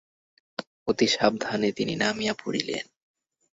অতি সাবধানে তিনি নামিয়া পড়িলেন।